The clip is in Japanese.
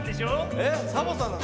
えっサボさんなの？